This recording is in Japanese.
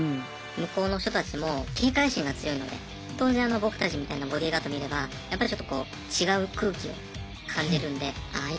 向こうの人たちも警戒心が強いので当然僕たちみたいなボディーガード見ればやっぱりちょっとこう違う空気を感じるんでああ